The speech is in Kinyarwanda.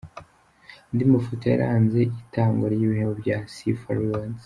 Andi mafoto yaranze itangwa ry’ibihembo bya Sifa Rewards:.